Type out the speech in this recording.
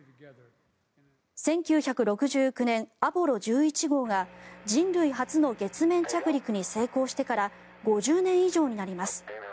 １９６９年、アポロ１１号が人類初の月面着陸に成功してから５０年以上になります。